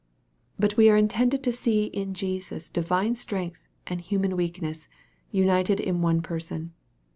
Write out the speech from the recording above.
But we are intended to see in Jesus divine strength and human weakness united in one per son.